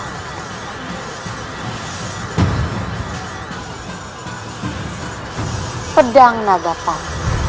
jika dia ajar